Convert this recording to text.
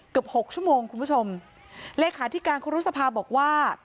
กับหกชั่วโมงคุณผู้ชมเลขาที่การครุศภาคบอกว่า